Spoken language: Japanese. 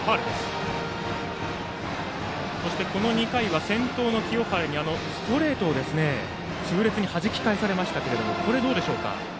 この２回は先頭の清原にストレートを痛烈にはじき返されましたがこれはどうでしょうか？